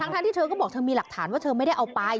ทั้งที่เธอก็บอกเธอมีหลักฐานว่าเธอไม่ได้เอาไป